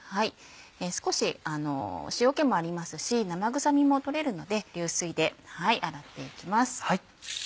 少し塩気もありますし生臭みも取れるので流水で洗っていきます。